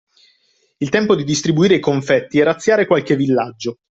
Il tempo di distribuire i confetti e razziare qualche villaggio